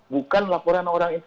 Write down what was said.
bukan laporan orang intel